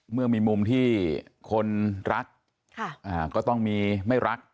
เมื่อมีมุมที่คนรักก็ต้องมีไม่รัก